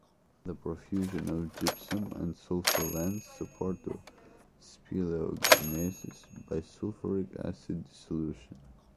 The profusion of gypsum and sulfur lends support to speleogenesis by sulfuric acid dissolution.